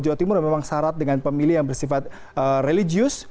jawa timur memang syarat dengan pemilih yang bersifat religius